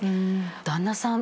旦那さん。